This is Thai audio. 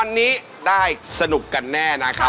โอ้โฮนี่สำคัญมาก